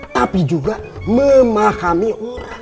tapi juga memahami orang